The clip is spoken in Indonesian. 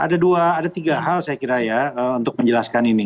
ada tiga hal saya kira ya untuk menjelaskan ini